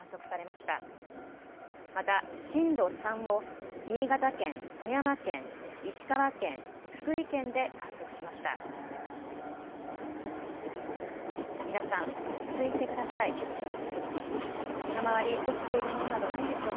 また震度３を新潟県、富山県、石川県、福井県で観測しました。